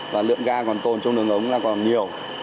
và lượng ga còn tồn trong đường ống là còn nhiều